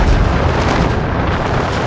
aku mau makan